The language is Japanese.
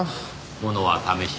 物は試し。